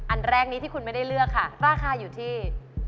อันแรกนี้ที่คุณไม่ได้เลือกค่ะราคาอยู่ที่